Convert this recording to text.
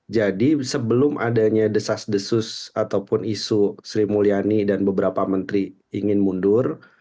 sebelum adanya desas desus ataupun isu sri mulyani dan beberapa menteri ingin mundur